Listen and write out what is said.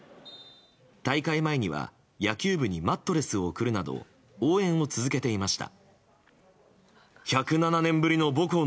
大会前には野球部にマットレスを贈るなど応援を続けていました。